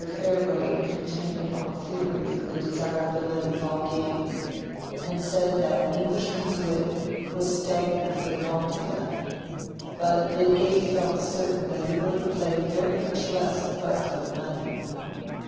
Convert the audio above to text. Farebrother contended on theory for the desirability of all games, and said that Englishmen's wit was stagnant for want of them; but Lydgate felt certain that he would have played very much less but for the money.